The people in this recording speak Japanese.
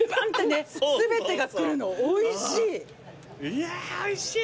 いやおいしい。